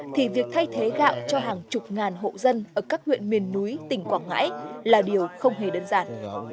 thì việc thay thế gạo cho hàng chục ngàn hộ dân ở các huyện miền núi tỉnh quảng ngãi là điều không hề đơn giản